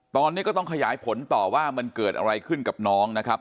ตอนนี้ก็ต้องขยายผลต่อว่ามันเกิดอะไรขึ้นกับน้องนะครับ